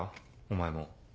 お前も。